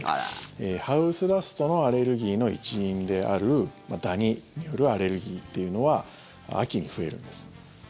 ハウスダストのアレルギーの一因であるダニによるアレルギーというのは秋に増えるんです。